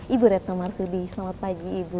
ibu retno marsudi selamat pagi ibu